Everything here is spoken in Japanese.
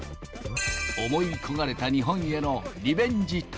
思い焦がれた日本へのリベンジ旅。